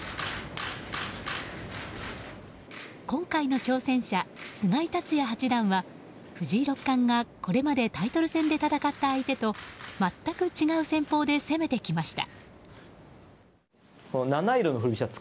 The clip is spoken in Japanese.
今回の挑戦者、菅井竜也八段は藤井六冠が、これまでタイトル戦で戦った相手と全く違う戦法で攻めてきました。